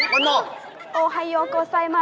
มันบอก